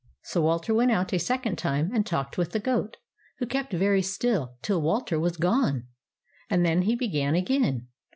So Walter went out a second time, and talked with the goat, who kept very still till Walter was gone, and then he began again.